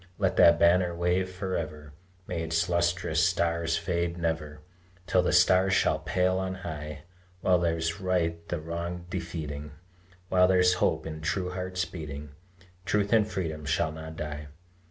Let that banner wave forever, May its lustrous stars fade never, Till the stars shall pale on high; While there's right the wrong defeating, While there's hope in true hearts beating, Truth and freedom shall not die.